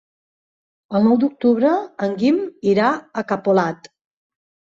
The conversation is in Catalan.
El nou d'octubre en Guim irà a Capolat.